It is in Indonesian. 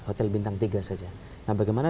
hotel bintang tiga saja nah bagaimana